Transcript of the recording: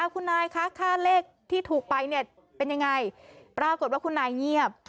คุณนายคะค่าเลขที่ถูกไปเนี่ยเป็นยังไงปรากฏว่าคุณนายเงียบ